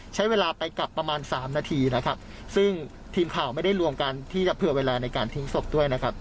ใช้เวลาไปกลับประมาณสามนาทีนะครับซึ่งทีมข่าวไม่ได้รวมกันที่จะเผื่อเวลาในการทิ้งศพด้วยนะครับ